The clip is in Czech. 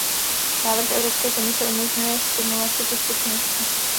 Návrh Evropské komise umožňuje stimulaci těchto činností.